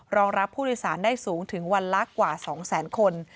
รองรับผู้โดยสารได้สูงถึงวันละกว่า๒แสนคน